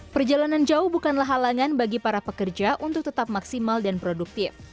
perjalanan jauh bukanlah halangan bagi para pekerja untuk tetap maksimal dan produktif